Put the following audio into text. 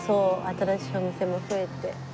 新しいお店も増えて。